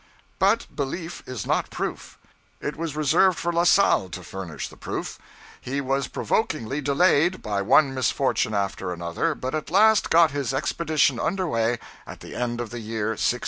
But belief is not proof. It was reserved for La Salle to furnish the proof. He was provokingly delayed, by one misfortune after another, but at last got his expedition under way at the end of the year 1681.